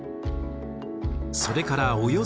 それからおよそ